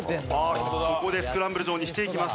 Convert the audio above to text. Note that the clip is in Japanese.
ここでスクランブル状にしていきます。